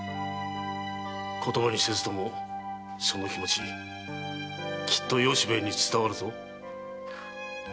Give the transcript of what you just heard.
言葉にせずともその気持ちきっと由兵衛に伝わるぞ。